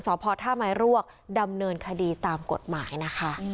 สพท่าไม้รวกดำเนินคดีตามกฎหมายนะคะ